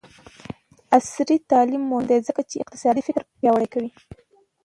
عصري تعلیم مهم دی ځکه چې انتقادي فکر پیاوړی کوي.